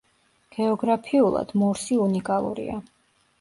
გეოგრაფიულად მორსი უნიკალურია.